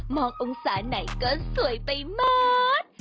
มององศาไหนก็สวยไปหมด